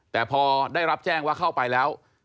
แต่พอได้รับแจ้งว่าเข้าไปแล้ว